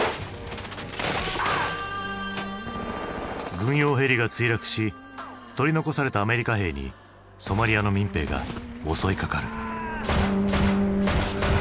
軍用ヘリが墜落し取り残されたアメリカ兵にソマリアの民兵が襲いかかる。